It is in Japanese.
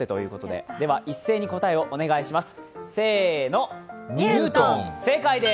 では一斉に答えをお願いします。